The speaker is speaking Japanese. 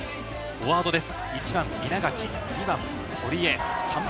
フォワードです。